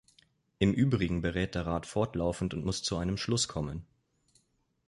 Im Übrigen berät der Rat fortlaufend und muss zu einem Schluss kommen.